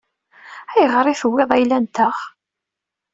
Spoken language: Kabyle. Ayɣer i tewwiḍ ayla-nteɣ?